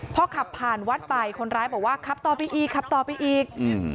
พอขับผ่านวัดไปคนร้ายบอกว่าขับต่อไปอีกขับต่อไปอีกอืม